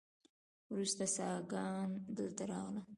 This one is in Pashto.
وروسته ساکان دلته راغلل